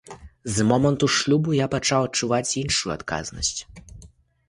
З моманту шлюбу я пачаў адчуваць іншую адказнасць.